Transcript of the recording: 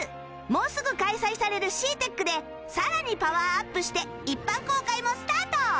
もうすぐ開催される ＣＥＡＴＥＣ でさらにパワーアップして一般公開もスタート！